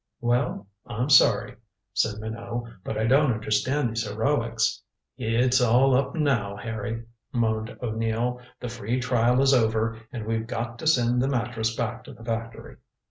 "Well, I'm sorry," said Minot, "but I don't understand these heroics." "It's all up now, Harry," moaned O'Neill. "The free trial is over and we've got to send the mattress back to the factory.